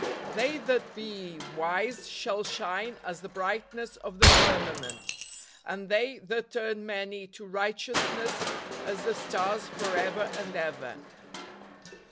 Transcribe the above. " They that he icise shall shine as the brightness of the firmament; and they that turn many to right¬ eousness as the stars forever and ever."